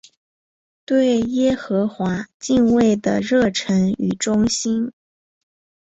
对耶和华敬畏的热诚与忠心。